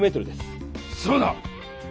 そうだ！